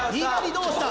どうした？